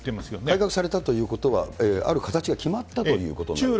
改革されたということは、ある形が決まったということですか？